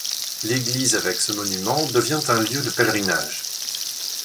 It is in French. L'église avec ce monument devient un lieu de pèlerinage.